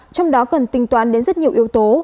trong đó cần tính toán đến rất nhiều yếu tố